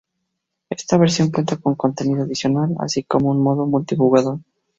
Esta versión cuenta con contenido adicional así como un modo multijugador.